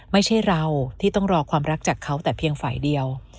ไม่ใช่เราที่ต้องรอความรักจากเขาแต่เพียงฝ่ายเดียว